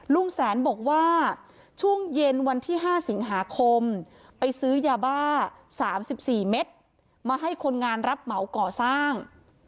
ลุงแสนบอกว่าช่วงเย็นวันที่๕สิงหาคมไปซื้อยาบ้า๓๔เม็ดมาให้คนงานรับเหมาก่อสร้าง